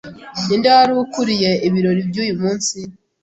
Ninde wari ukuriye ibirori by'uyu munsi?